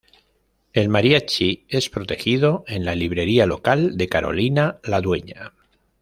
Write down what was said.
El Mariachi es protegido en la librería local de Carolina, la dueña.